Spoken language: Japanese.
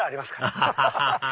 アハハハ！